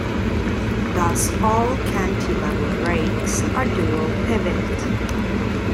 Thus all cantilever brakes are dual-pivot.